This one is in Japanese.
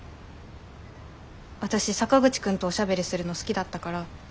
私坂口くんとおしゃべりするの好きだったから。